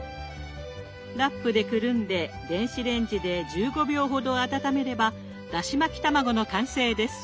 ラップでくるんで電子レンジで１５秒ほど温めればだし巻き卵の完成です。